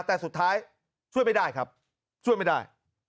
แต่สุดท้ายช่วยไม่ได้ครับช่วยไม่ได้